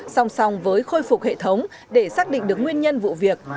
song song với khôi phục hệ thống để xác định được nguyên nhân vụ việc